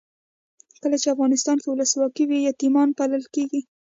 کله چې افغانستان کې ولسواکي وي یتیمان پالل کیږي.